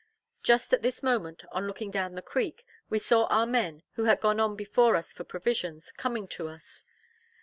Just at this moment, on looking down the creek, we saw our men, who had gone on before us for provisions, coming to us.